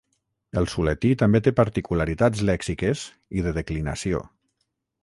El suletí també té particularitats lèxiques i de declinació.